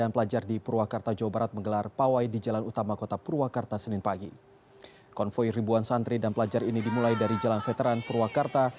konvoy ribuan santri dan pelajar ini dimulai dari jalan veteran purwakarta